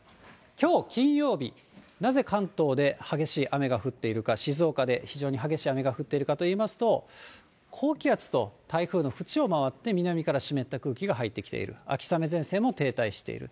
きょう金曜日、なぜ関東で激しい雨が降っているか、静岡で非常に激しい雨が降っているかといいますと、高気圧と台風の縁を回って南から湿った空気が入ってきている、秋雨前線も停滞している。